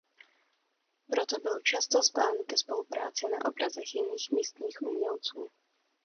Proto byl často zván ke spolupráci na obrazech jiných místních umělců.